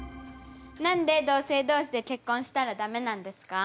何で同性同士で結婚したら駄目なんですか？